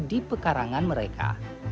di pekarangan mereka